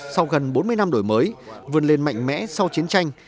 sau gần bốn mươi năm đổi mới vươn lên mạnh mẽ sau chiến tranh